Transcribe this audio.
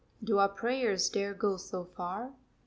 Do our prayers dare go so far?